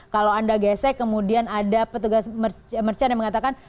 kalau anda gesek kemudian ada petugas merchant yang mengatakan